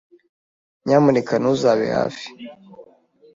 Nyamuneka ntuzabe hafi.